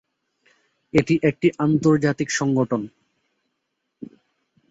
এটি একটি আন্তর্জাতিক সংগঠন।